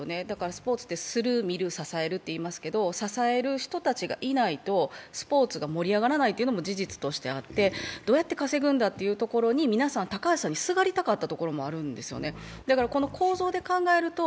スポーツってする、見る、支えると言いますけれども、支える人たちがいないと、スポーツが盛り上がらないというのも事実としてあって、どうやって稼ぐんだというところに皆さんが高橋さんにすがりたかったところもあると思います。